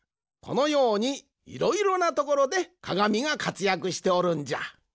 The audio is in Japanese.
このようにいろいろなところでかがみがかつやくしておるんじゃ。